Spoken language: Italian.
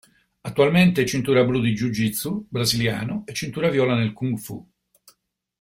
Attualmente è cintura blu di Jiu-Jitsu Brasiliano e cintura viola nel Kung Fu.